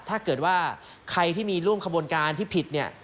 ถ้าเกิดว่าใครที่มีร่วมกระบวนการพิษ